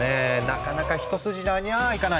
なかなか一筋縄にゃあいかない。